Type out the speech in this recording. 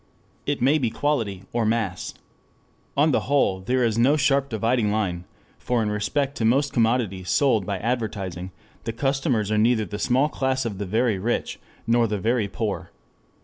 It may be "quality" or "mass." On the whole there is no sharp dividing line, for in respect to most commodities sold by advertising, the customers are neither the small class of the very rich nor the very poor.